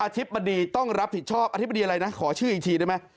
ธิบดีต้องรับผิดชอบอธิบดีอะไรนะขอชื่ออีกทีได้ไหม